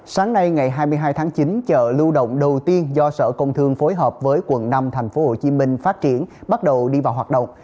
sáng nay ngày hai mươi hai tháng chín chợ lưu động đầu tiên do sở công thương phối hợp với quận năm tp hcm phát triển bắt đầu đi vào hoạt động